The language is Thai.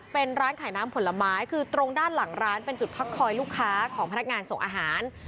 เป็นร้านขายน้ำผลไม้คือตรงด้านหลังร้านเป็นจุดพักคอยลูกค้าของพนักงานส่งอาหาร